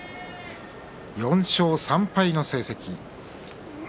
４勝３敗の成績です。